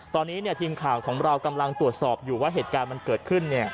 ตอนนี้ทีมข่าวของเรากำลังตรวจสอบอยู่ว่าเหตุการณ์มันเกิดขึ้น